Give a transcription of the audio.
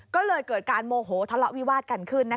ก็เลยเกิดการโมโหทะเลาะวิวาดกันขึ้น